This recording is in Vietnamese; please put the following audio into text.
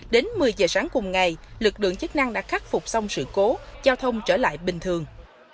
đến một mươi giờ sáng cùng ngày lực lượng chức năng đã khắc phục xong sự cố giao thông trở lại bình thường